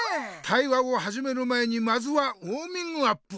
対話をはじめる前にまずはウォーミングアップ。